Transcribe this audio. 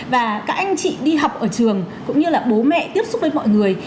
và các anh chị đi học ở trường cũng như là bố mẹ tiếp xúc với mọi người